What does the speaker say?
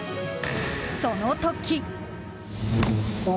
その時。